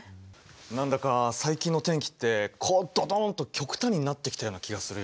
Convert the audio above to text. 何だか最近の天気ってこうドドンッと極端になってきたような気がするよ。